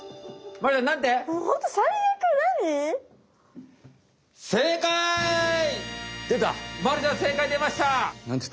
まるちゃん正解でました！